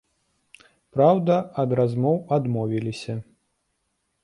Праўда, ад размоў адмовіліся.